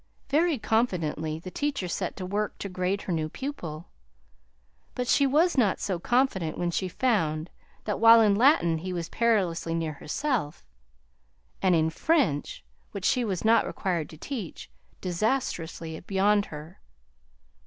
Very confidently the teacher set to work to grade her new pupil; but she was not so confident when she found that while in Latin he was perilously near herself (and in French which she was not required to teach disastrously beyond her!)